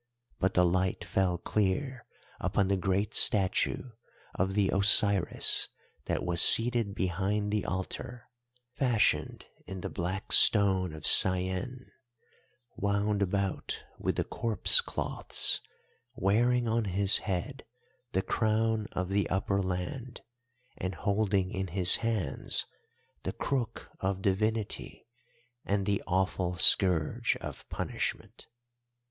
But the light fell clear upon the great statue of the Osiris that was seated behind the altar fashioned in the black stone of Syene, wound about with the corpse cloths, wearing on his head the crown of the Upper Land, and holding in his hands the crook of divinity and the awful scourge of punishment.